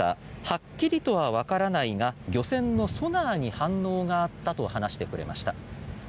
はっきりとは分からないが漁船のソナーに反応があったと話してくれました。